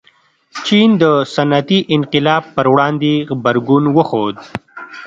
چین د صنعتي انقلاب پر وړاندې غبرګون وښود.